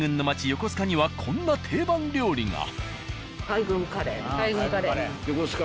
横須賀にはこんな定番料理が］